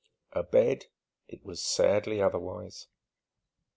Abed ... it was sadly otherwise.